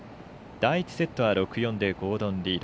第１セットは６−４でゴードン・リード。